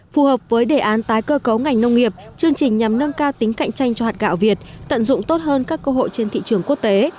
phù hợp với đề án tái cơ cấu ngành nông nghiệp chương trình nhằm nâng cao tính cạnh tranh cho hạt gạo việt tận dụng tốt hơn các cơ hội trên thị trường quốc tế